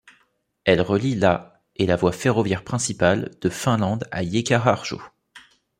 Elle relie la et la Voie ferroviaire principale de Finlande à Hiekkaharju.